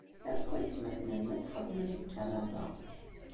Akk aytmaten-nnes xeddmen deg Kanada.